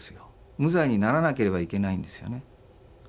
無罪にならなければいけないんですよね。